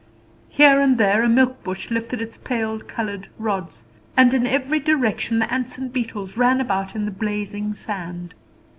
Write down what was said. Here and there a milk bush lifted its pale coloured rods, and in every direction the ants and beetles ran about in the blazing sand.